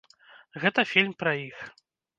Гэта фільм пра іх.